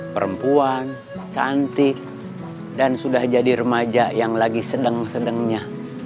perempuan cantik dan sudah jadi remaja yang lagi sedang sedangnya